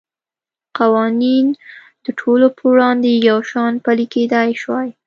قوانین د ټولو په وړاندې یو شان پلی کېدای شوای.